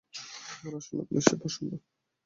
আবারও আসল নকলের সেই প্রসঙ্গ!